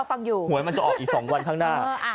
เหมือนมันจะออกอีกสองวันข้างหน้า